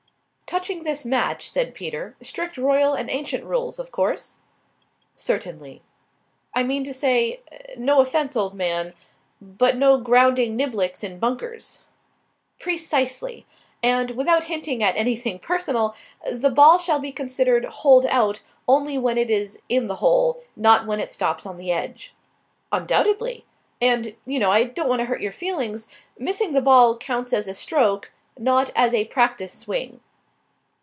"Touching this match," said Peter. "Strict Royal and Ancient rules, of course?" "Certainly." "I mean to say no offence, old man but no grounding niblicks in bunkers." "Precisely. And, without hinting at anything personal, the ball shall be considered holed out only when it is in the hole, not when it stops on the edge." "Undoubtedly. And you know I don't want to hurt your feelings missing the ball counts as a stroke, not as a practice swing."